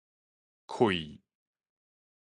氣